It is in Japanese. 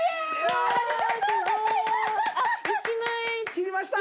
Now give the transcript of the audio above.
切りました！